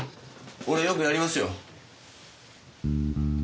俺よくやりますよ。